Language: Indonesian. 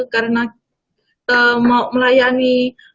karena mau melayani